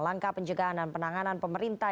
langkah pencegahan dan penanganan pemerintah